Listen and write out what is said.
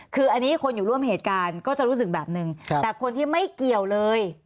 คืออันนี้คนอยู่ร่วมเหตุการณ์ก็จะรู้สึกแบบนึงแต่คนที่ไม่เกี่ยวเลย